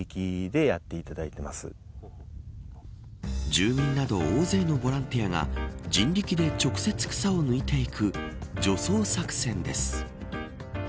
住民など大勢のボランティアが人力で直接草を抜いていく除草作戦です。